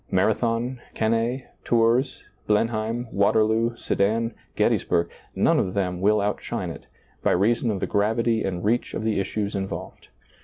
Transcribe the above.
Marathon, Cannae, Tours, Blenheim, Waterloo, Sedan, Gettysburg — none of them will outshine it, by reason of the gravity and reach of the issues involved.